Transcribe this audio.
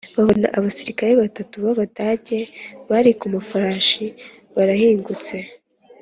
babona abasirikare batatu b Abadage bari ku mafarashi barahingutse